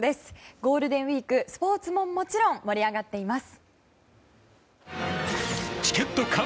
ゴールデンウィーク、スポーツももちろん盛り上がっています。